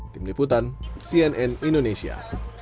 tim liputan cnn indonesia